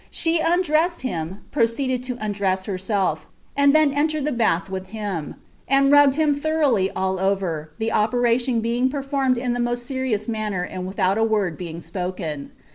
She undressed him, proceeded to undress herself, and then entered the bath with him, and rubbed him thoroughly all over, the operation being performed in the most serious manner and without a word being spoken.